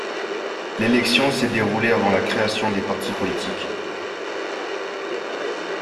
L'élection s'est déroulé avant la création des partis politiques.